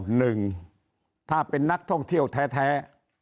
หนึ่งถ้าเป็นนักท่องเที่ยวแท้